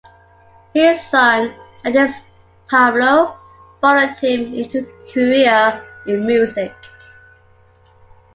His son, Addis Pablo, followed him into a career in music.